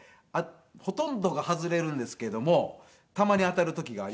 ほとんどが外れるんですけどもたまに当たる時がありまして。